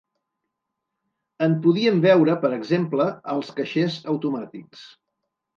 En podíem veure, per exemple, als caixers automàtics.